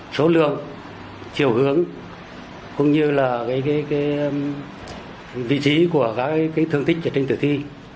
số lượng chiều hướng cũng như là vị trí của các thương thích trên tử thi